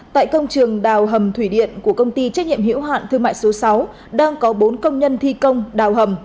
tại công trường đào hầm thủy điện của công ty trách nhiệm hiểu hạn thương mại số sáu đang có bốn công nhân thi công đào hầm